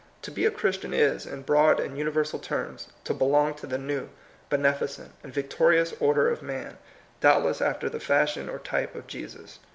To be a Christian is, in broad and universal terms, to belong to the new, beneficent, and victorious order of man, doubtless after the fashion or type of Jesus.